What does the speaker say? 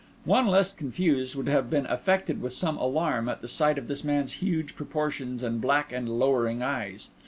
One less confused would have been affected with some alarm at the sight of this man's huge proportions and black and lowering eyes.